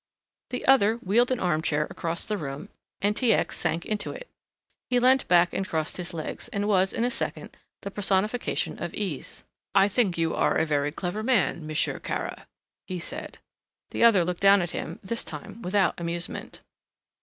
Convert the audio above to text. The other wheeled an armchair across the room and T. X. sank into it. He leant back and crossed his legs, and was, in a second, the personification of ease. "I think you are a very clever man, Monsieur Kara," he said. The other looked down at him this time without amusement.